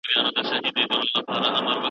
زما له تندي زما له قسمته به خزان وي تللی